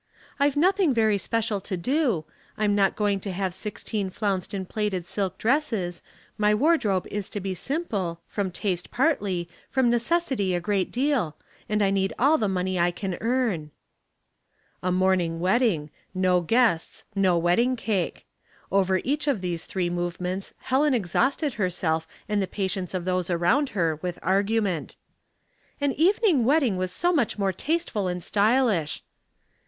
I've nothing very special to do. I'm not going to have sixteen flounced and plaited silk dresses. My wardrobe is to be simple, from 358 A New Start. 359 taste partly, from necessity a great deal ; and 1 need all the money I can earn." A morning wedding, no guests, no wedding cake. Over each of these three movements Helen exhausted herself and the patience of those around her with argument. "An eveningr wedding: was so much more tasteful and stylish."